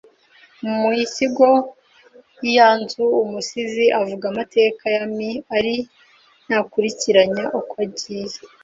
Mu isigo y’iyanzu umusizi avuga amateka y’ami ariko ntakurikiranya uko agiye